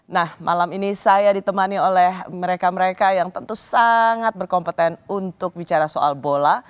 nah malam ini saya ditemani oleh mereka mereka yang tentu sangat berkompeten untuk bicara soal bola